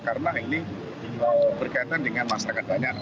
karena ini berkaitan dengan masyarakat banyak